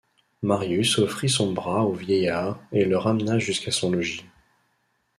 Marius offrit son bras au vieillard et le ramena jusqu’à son logis.